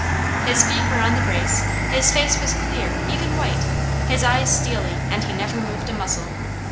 His feet were on the brace, his face was clear, even white, his eyes steely, and he never moved a muscle.